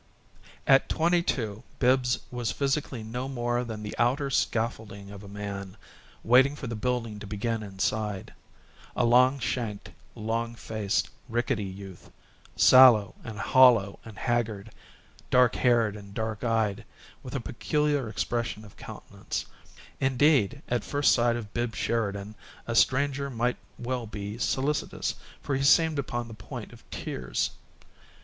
At twenty two, Bibbs was physically no more than the outer scaffolding of a man, waiting for the building to begin inside a long shanked, long faced, rickety youth, sallow and hollow and haggard, dark haired and dark eyed, with a peculiar expression of countenance; indeed, at first sight of Bibbs Sheridan a stranger might well be solicitous, for he seemed upon the point of tears.